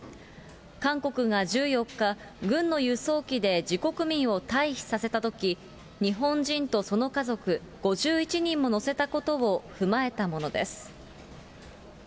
韓国が１４日、軍の輸送機で自国民を退避させたとき、日本人とその家族５１人も乗せたことを踏まえたものです。